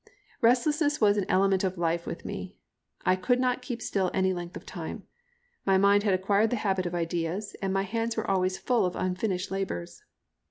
Restlessness was an element of life with me. I could not keep still any length of time. My mind had acquired the habit of ideas, and my hands were always full of unfinished labours.